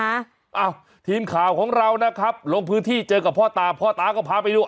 อ้าวทีมข่าวของเรานะครับลงพื้นที่เจอกับพ่อตาพ่อตาก็พาไปดู